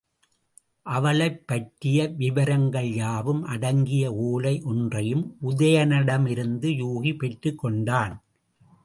அவளைப் பற்றிய விவரங்கள் யாவும் அடங்கிய ஓலை யொன்றையும் உதயணனிடமிருந்து யூகி பெற்றுக் கொண்டான்.